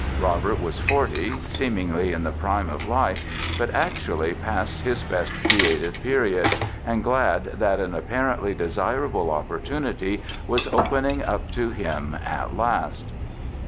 Robert was forty, seemingly in the prime of life but actually past his best creative period, and glad that an apparently desirable opportunity was opening up to him at last.